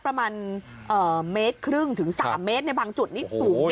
ประมาณเอ่อเมตรครึ่งถึงสามเมตรในบางจุดนิดสูง